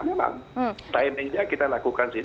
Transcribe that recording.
memang timingnya kita lakukan sih